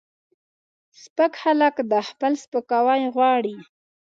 سپک خلک دا خپل سپکاوی غواړي